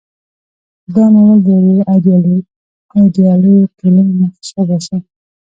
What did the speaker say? دا ناول د یوې ایډیالې ټولنې نقشه باسي.